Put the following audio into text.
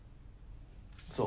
そう。